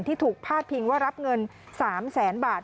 ที่ถูกพาดพิงว่ารับเงิน๓แสนบาท